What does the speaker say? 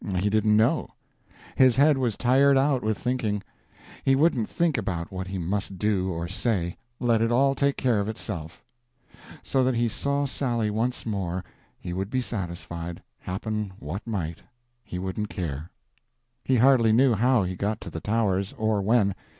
He didn't know; his head was tired out with thinking—he wouldn't think about what he must do or say—let it all take care of itself. So that he saw Sally once more, he would be satisfied, happen what might; he wouldn't care. He hardly knew how he got to the Towers, or when.